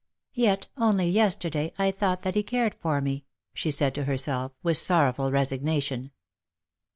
" Yet, only yesterday, I thought that he cared for me," she said to herself, with sorrowful resignation.